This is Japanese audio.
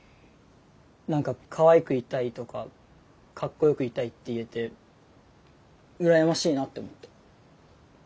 何かかわいくいたいとかかっこよくいたいって言えて羨ましいなって思った。